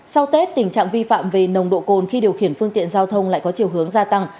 sau tết tình trạng vi phạm về nồng độ cồn khi điều khiển phương tiện giao thông lại có chiều hướng gia tăng